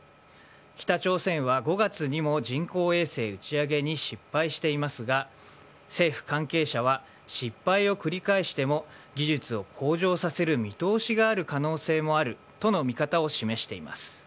北朝鮮は５月にも人工衛星打ち上げに失敗していますが政府関係者は失敗を繰り返しても技術を向上させる見通しがある可能性もあるとの見方を示しています。